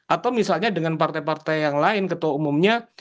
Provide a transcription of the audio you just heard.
atau misalnya dengan partai partai yang lain ketua umumnya